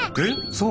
そう？